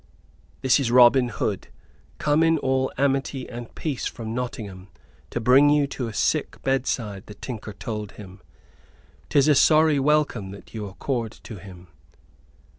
"This is Robin Hood, come in all amity and peace from Nottingham to bring you to a sick bedside," the tinker told him. "'Tis a sorry welcome that you accord to him!"